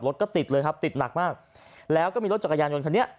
รถก็ติดเลยครับติดหนักมากแล้วก็มีรถจักรยานยนต์คันนี้